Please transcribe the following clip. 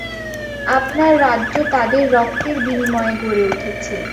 আপনার রাজ্য তাদের রক্তের বিনিময়ে গড়ে উঠেছে।